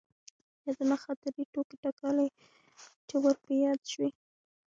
يادونه ،خاطرې، ټوکې تکالې چې ور په ياد شوي.